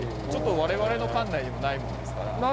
ちょっと我々の管内にもないものですから。